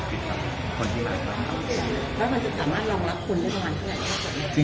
แล้วมันจะสามารถรองรับคนได้ประมาณเท่าไหร่